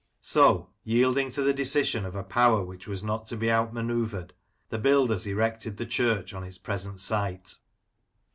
So, yielding to the decision of a power which was not to be out manceuvred, the builders erected the church on its present site.